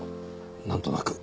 何となく。